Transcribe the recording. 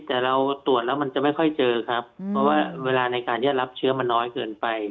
แต่เราตรวจแล้วมันจะไม่ค่อยเจอครับเพราะว่าเวลาในการที่จะรับเชื้อมันน้อยเกินไป